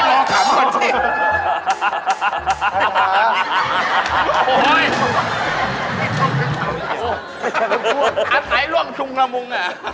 อาถายร่วมชุมละมุง